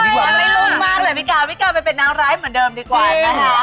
ไม่รู้มากเลยพี่กาวพี่กาวไปเป็นน้ำไลฟ์เหมือนเดิมดีกว่านะคะ